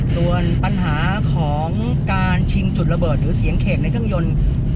ส่วนปัญหาของการชิงจุดระเบิดหรือเสียงเขกในเครื่องยนต์